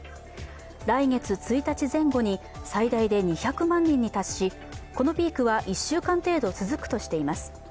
来月１日前後に最大で２００万人に達しこのピークは１週間程度続くとしています。